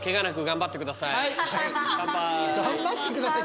頑張ってくださいって何？